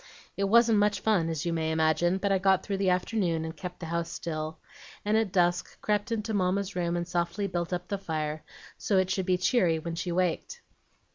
It wasn't much fun, as you may imagine, but I got through the afternoon, and kept the house still, and at dusk crept into Mamma's room and softly built up the fire, so it should be cheery when she waked.